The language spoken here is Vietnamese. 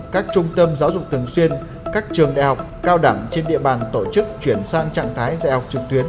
các trung tâm giáo dục thường xuyên các trường đại học cao đẳng trên địa bàn tổ chức chuyển sang trạng thái dạy học trực tuyến